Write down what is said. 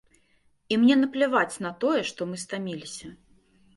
І мне напляваць на тое, што мы стаміліся.